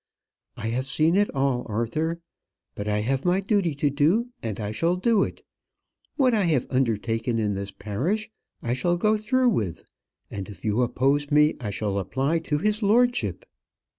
I have seen it all, Arthur. But I have my duty to do, and I shall do it. What I have undertaken in this parish I shall go through with, and if you oppose me I shall apply to his lordship."